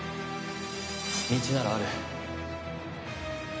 道ならある。